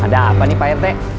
ada apa nih pak rt